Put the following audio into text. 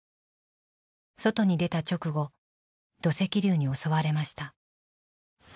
外に出た直後土石流に襲われました。